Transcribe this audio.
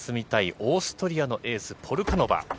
オーストリアのエース、ポルカノバ。